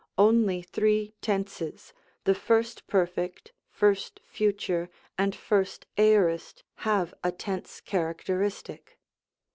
Only three tenses, the 1st Perfect, 1st Future, and 1st Aorist, have a tense characteristic.